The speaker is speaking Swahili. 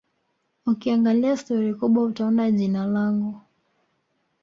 Ukiangalia stori kubwa utaona jina langu